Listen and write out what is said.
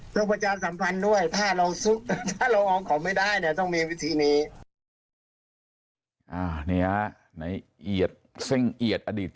ต้องประชาสัมพันธ์ด้วยถ้าเราออกของไม่ได้ต้องมีวิธีนี้